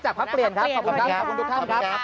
จากพักเปลี่ยนครับขอบคุณทุกท่านครับ